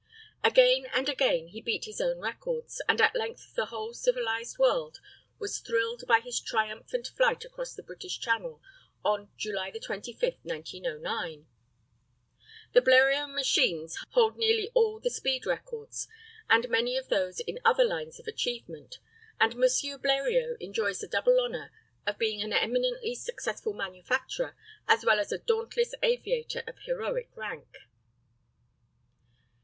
Again and again he beat his own records, and at length the whole civilized world was thrilled by his triumphant flight across the British Channel on July 25, 1909. The Bleriot machines hold nearly all the speed records, and many of those in other lines of achievement, and M. Bleriot enjoys the double honor of being an eminently successful manufacturer as well as a dauntless aviator of heroic rank.